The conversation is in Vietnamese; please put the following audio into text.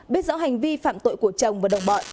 biết rõ hành vi phạm tội của chồng và đồng bọn